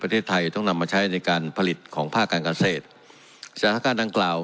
ประเทศไทยต้องนำมาใช้ในการผลิตของภาคการเกษตรสถานการณ์ดังกล่าว